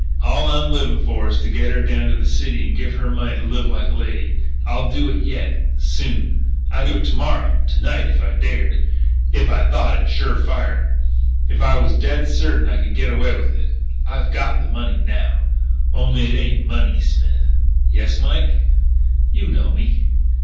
All I'm livin' for is to get her down to the city and give her money to live like a lady. I'll do it yet.... Soon!... I'd do it to morrow to night if I dared.... If I thought it sure fire.... If I was dead certain I could get away with it.... I've got the money. Now! ... Only it ain't in money.... Smith?" "Yes, Mike." "You know me?"